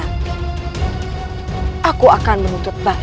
oleh yang tersimpang